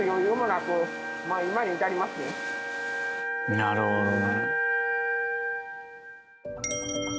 なるほどね。